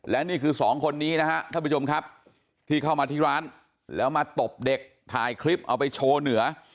และนี่คือสองคนนี้นะฮะท่านผู้ชมครับที่เข้ามาที่ร้านแล้วมาตบเด็กถ่ายคลิปเอาไปโชว์เหนือ